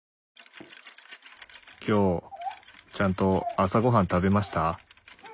今日ちゃんと朝ごはん食べました？